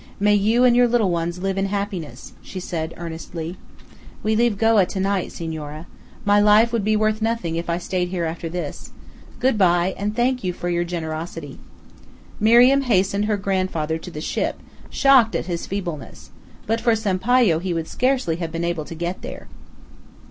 May you and your little ones live in happiness!" she said earnestly. "We leave Goa to night, senora. My life would be worth nothing if I stayed here after this. Good by, and thank you for your generosity." Miriam hastened her grandfather to the ship, shocked at his feebleness; but for Sampayo he would scarcely have been able to get there.